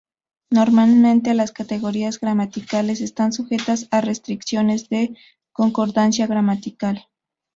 Normalmente las categorías gramaticales están sujetas a restricciones de concordancia gramatical.